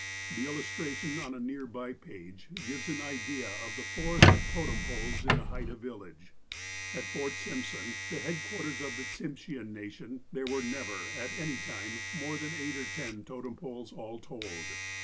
The illustration on a near by page gives an idea of the forest of totem poles in a Haida village. At Fort Simp son, the headquarters of the Tsimshean nation, there was never, at any time, more than eight or ten totem poles, all told.